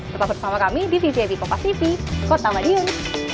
tetap bersama kami di vgp kota tv kota madiun